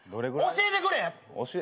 教えてくれ。